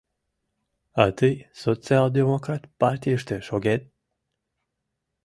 — А тый социал-демократ партийыште шогет?